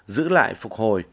giữ lại phục hồi